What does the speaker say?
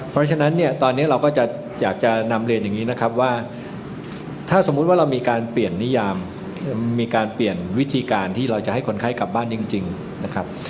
เพราะฉะนั้นเนี่ยตอนนี้เราก็จะอยากจะนำเรียนอย่างนี้นะครับว่าถ้าสมมุติว่าเรามีการเปลี่ยนนิยามมีการเปลี่ยนวิธีการที่เราจะให้คนไข้กลับบ้านจริงนะครับ